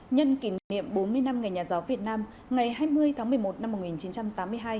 nhân kỷ niệm bốn mươi năm ngày nhà giáo việt nam ngày hai mươi tháng một mươi một năm một nghìn chín trăm tám mươi hai